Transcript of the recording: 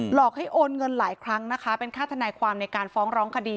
อกให้โอนเงินหลายครั้งนะคะเป็นค่าทนายความในการฟ้องร้องคดี